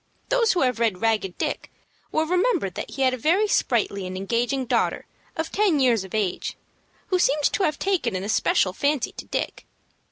Those who have read "Ragged Dick" will remember that he had a very sprightly and engaging daughter of ten years of age, who seemed to have taken an especial fancy to Dick.